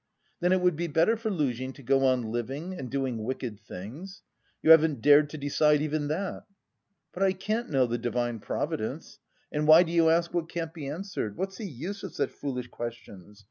"Then it would be better for Luzhin to go on living and doing wicked things? You haven't dared to decide even that!" "But I can't know the Divine Providence.... And why do you ask what can't be answered? What's the use of such foolish questions?